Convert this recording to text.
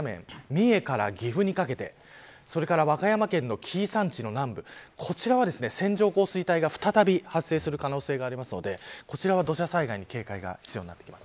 三重から岐阜にかけてそれから和歌山県の紀伊山地の南部こちらは線状降水帯が再び発生する可能性があるのでこちらは土砂災害に警戒が必要になってきます。